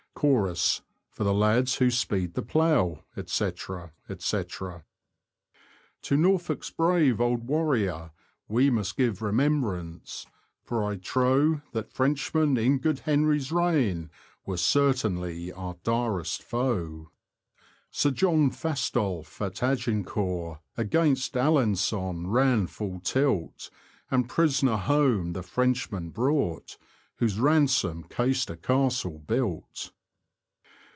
f Chorus :— For the lads who speed the plough, &c. To Norfolk's brave old warrior we Must give remembrance ; for I trow That Frenchmen, in Good Henry's reign; J "Were certainly our direst foe. Sir John Fastolfe,§ at Agincourt, Against Alen^on ran full tilt, And prisoner home the Frenchman brought. Whose ransom Caister Castle built.